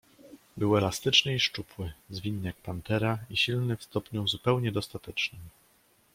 "Był elastyczny i szczupły, zwinny jak pantera, i silny w stopniu zupełnie dostatecznym."